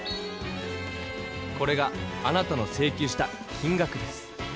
これがあなたのせいきゅうした金額です！